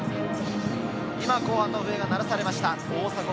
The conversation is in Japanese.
今、後半の笛が鳴らされました。